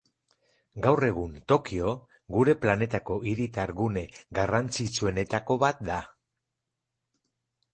Gaur egun, Tokio gure planetako hiritar gune garrantzitsuenetako bat da.